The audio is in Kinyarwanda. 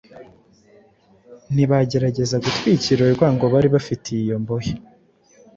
ntibageregeza gutwikira urwango bari bafitiye iyo mbohe.